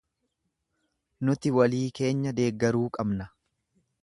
Nuti walii keenya deggeruu qabna.